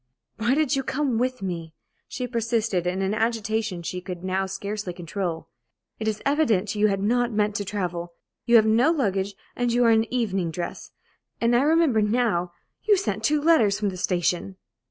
"Why did you come with me?" she persisted, in an agitation she could now scarcely control. "It is evident you had not meant to travel. You have no luggage, and you are in evening dress. And I remember now you sent two letters from the station!"